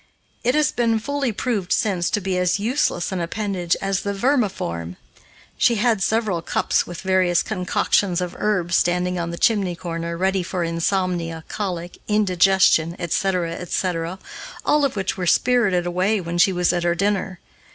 It has been fully proved since to be as useless an appendage as the vermiform. She had several cups with various concoctions of herbs standing on the chimney corner, ready for insomnia, colic, indigestion, etc., etc., all of which were spirited away when she was at her dinner.